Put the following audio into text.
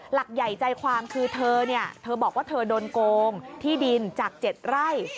หลักใหญ่ใจความคือเธอเนี่ยเธอบอกว่าเธอโดนโกงที่ดินจาก๗ไร่